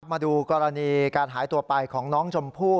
มาดูกรณีการหายตัวไปของน้องชมพู่